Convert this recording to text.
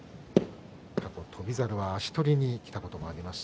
翔猿は足取りにきたこともあります。